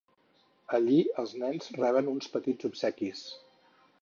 Allí els nens reben uns petits obsequis.